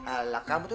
alah kamu tuh